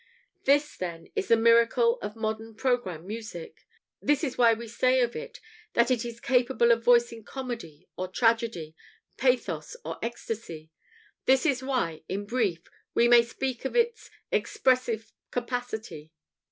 This, then, is the miracle of modern "programme music"; this is why we say of it that it is capable of voicing comedy or tragedy, pathos or ecstasy; this is why, in brief, we may speak of its "expressive capacity."